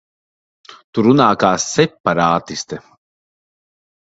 Tu runā kā separātiste.